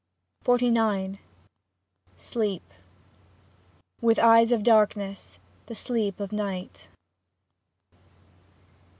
XLIX SLEEP With eyes of darkness. The sleep of night.